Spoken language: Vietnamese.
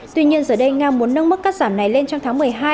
tuy nhiên giờ đây nga muốn nâng mức cắt giảm này lên trong tháng một mươi hai